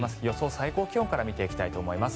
最高気温から見ていきたいと思います。